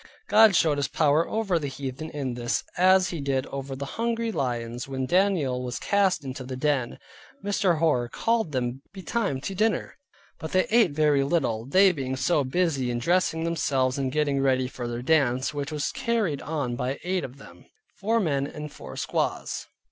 God showed His power over the heathen in this, as He did over the hungry lions when Daniel was cast into the den. Mr. Hoar called them betime to dinner, but they ate very little, they being so busy in dressing themselves, and getting ready for their dance, which was carried on by eight of them, four men and four squaws.